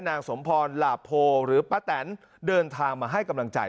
นางสมพรหลาโพหรือป้าแตนเดินทางมาให้กำลังใจ